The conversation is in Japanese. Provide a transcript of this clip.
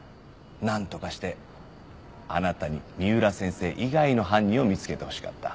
なんとかしてあなたに三浦先生以外の犯人を見つけてほしかった。